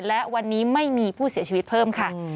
และวันนี้ไม่มีผู้เสียชีวิตเพิ่มค่ะ